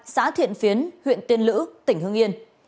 xã thiện phiến huyện tiên lữ tỉnh hương yên